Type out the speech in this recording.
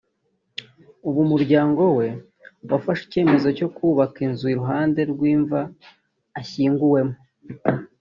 ubu umuryango we wafashe icyemezo cyo kubaka inzu iruhande rw’imva ashyinguyemo